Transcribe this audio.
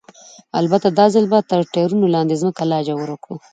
البته دا ځل به تر ټایرونو لاندې ځمکه لا ژوره کړو.